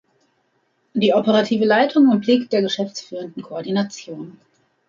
Die operative Leitung obliegt der Geschäftsführenden Koordination.